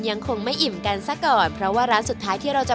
ยังคงไม่อิ่มกันซะก่อนเพราะว่าร้านสุดท้ายที่เราจะ